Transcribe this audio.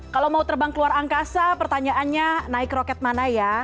kalau mau terbang keluar angkasa pertanyaannya naik roket mana ya